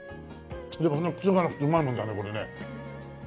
クセがなくてうまいもんだねこれね。